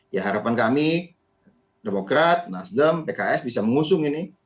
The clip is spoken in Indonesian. ya harapan kami demokrat nasdem pks bisa mengusung ini